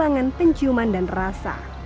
dan juga kelelahan penciuman dan rasa